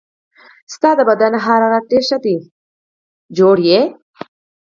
ستا د بدن حرارت ډېر ښه دی، روغ یې.